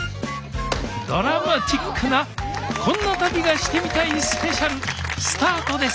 ドラマチックな「こんな旅がしてみたいスペシャル」スタートです！